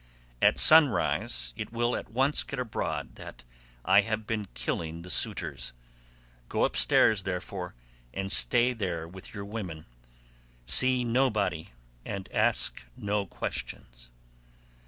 At sunrise it will at once get abroad that I have been killing the suitors; go upstairs, therefore,184 and stay there with your women. See nobody and ask no questions."